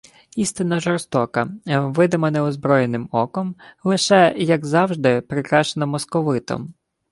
Істина жорстока, видима неозброєним оком, лише, як завжди, прикрашена московитом